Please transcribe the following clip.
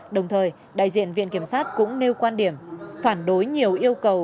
đồng thời đại diện viện kiểm sát cũng nêu quan điểm phản đối nhiều yêu cầu